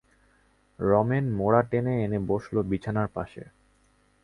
রমেন মোড়া টেনে এনে বসল বিছানার পাশে।